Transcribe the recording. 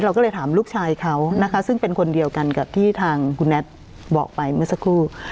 เราก็เลยถามลูกชายเขานะคะซึ่งเป็นคนเดียวกันกับที่ทางคุณแน็ตบอกไปเมื่อสักครู่